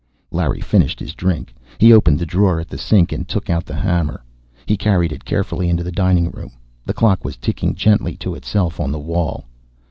Larry finished his drink. He opened the drawer at the sink and took out the hammer. He carried it carefully into the dining room. The clock was ticking gently to itself on the wall.